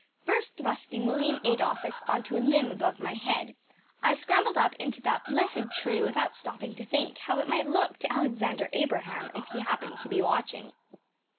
First thrusting William Adolphus on to a limb above my head, I scrambled up into that blessed tree without stopping to think how it might look to Alexander Abraham if he happened to be watching.